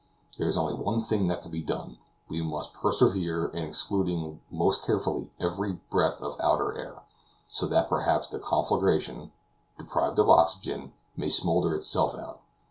There is only one thing that can be done; we must persevere in excluding most carefully every breath of outer air, so that perhaps the conflagration, deprived of oxygen, may smoulder itself out.